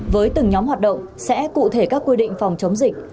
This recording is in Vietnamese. với từng nhóm hoạt động sẽ cụ thể các quy định phòng chống dịch